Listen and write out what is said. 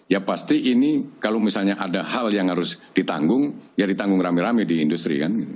ya pasti ini kalau misalnya ada hal yang harus ditanggung ya ditanggung rame rame di industri kan